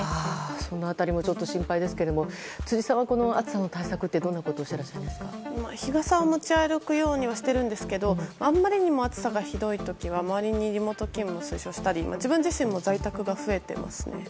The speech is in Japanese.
その辺りも心配ですが辻さんは、この暑さの対策どんなことをしてらっしゃいますか。日傘を持ち歩くようにはしているんですがあまりにも暑さがひどい時は周りにリモート勤務を推奨したり自分自身も在宅が増えていますね。